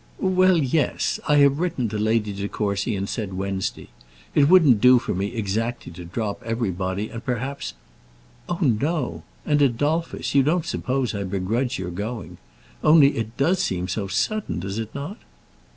"Well, yes. I have written to Lady De Courcy and said Wednesday. It wouldn't do for me exactly to drop everybody, and perhaps " "Oh, no! And, Adolphus, you don't suppose I begrudge your going. Only it does seem so sudden; does it not?"